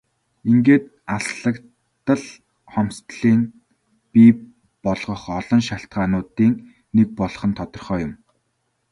Ингээд алслагдал хомсдолыг бий болгох олон шалтгаануудын нэг болох нь тодорхой юм.